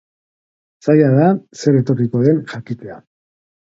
Zaila da zer etorriko den jakitea.